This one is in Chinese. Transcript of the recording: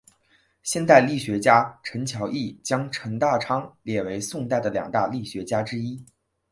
现代郦学家陈桥驿将程大昌列为宋代的两大郦学家之一。